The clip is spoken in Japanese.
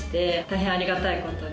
大変ありがたいことに。